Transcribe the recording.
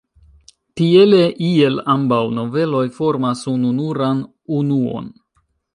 Tiele iel ambaŭ noveloj formas ununuran unuon.